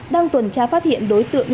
đang tuần tra phát hiện đối tượng